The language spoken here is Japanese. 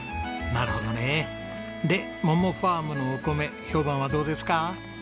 なるほどね。でｍｏｍｏｆａｒｍのお米評判はどうですか？